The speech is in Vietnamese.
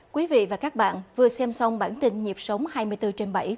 quý vị và các bạn vừa xem xong bản tin nhịp sống hai mươi bốn trên bảy